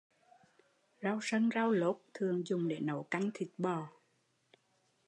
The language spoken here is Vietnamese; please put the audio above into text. Rau sân rau lốt thường dùng để nấu canh thịt bò